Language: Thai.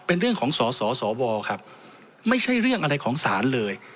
เป็นเรื่องของสสวครับไม่ใช่เรื่องอะไรของศาลเลย